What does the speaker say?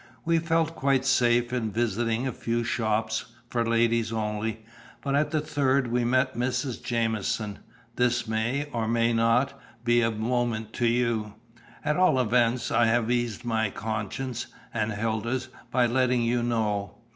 We felt quite safe in visiting a few shops 'for ladies only,' but at the third we met Mrs. Jamieson. This may, or may not, be of moment to you. At all events, I have eased my conscience, and Hilda's, by letting you know.